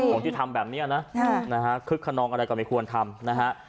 ของที่ทำแบบนี้นะคึกขนองอะไรก็ไม่ควรทำนะฮะ